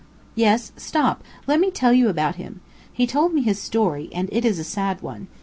"Yes. Stop, let me tell you about him. He told me his story, and it is a sad one.